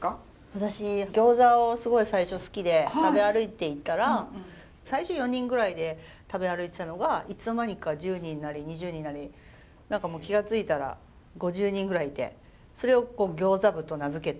私餃子をすごい最初好きで食べ歩いていたら最初４人ぐらいで食べ歩いてたのがいつの間にか１０人なり２０人なり何かもう気が付いたら５０人ぐらいいてそれを餃子部と名付けて。